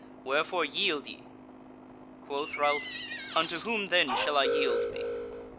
Wherefore, yield ye!" Quoth Ralph: "Unto whom then shall I yield me?"